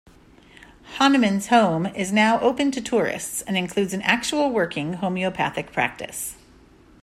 Hahnemann's home is now open to tourists, and includes an actual working homeopathic practice.